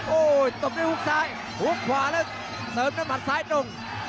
โอ้โหตบได้หุ้กซ้ายหุ้กขวาแล้วเติมแล้วหมัดซ้ายตรง